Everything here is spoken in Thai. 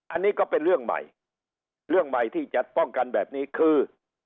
อันนี้ก็เป็นเรื่องใหม่เรื่องใหม่ที่จะป้องกันแบบนี้คือ